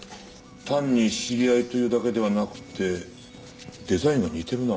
単に知り合いというだけではなくてデザインが似てるな。